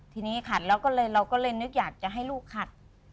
ทีนี้ขัดแล้วก็เลยเราก็เลยนึกอยากจะให้ลูกขัด